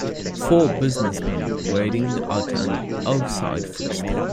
Four businessmen waiting at a outside food stand.